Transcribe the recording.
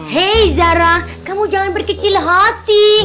hei zara kamu jangan berkecil hati